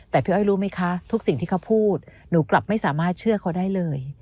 แต่พี่อ้อยรู้ไหมคะทุกสิ่งที่เขาพูดหนูกลับไม่สามารถเชื่อเขาได้เลย